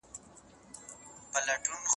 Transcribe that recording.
که موږ قوانین مراعات کړو ستونزې کمیږي.